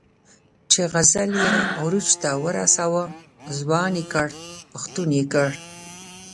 چې غزل یې عروج ته ورساوه، ځوان یې کړ، پښتون یې کړ.